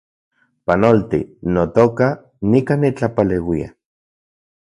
Panolti, notoka, nikan nitlapaleuia